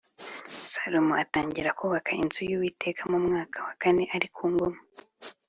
Salomo atangira kubaka inzu y’Uwiteka mu mwaka wa kane ari ku ngoma